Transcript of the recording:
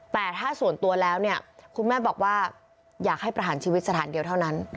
แต่ถ้าส่วนตัวแล้วเนี่ยคุณแม่บอกว่าอยากให้ประหารชีวิตสถานเดียวเท่านั้น